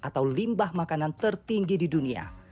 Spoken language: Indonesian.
atau limbah makanan tertinggi di dunia